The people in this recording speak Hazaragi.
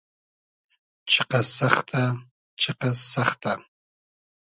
چیقئس سئختۂ ..... چیقئس سئختۂ .....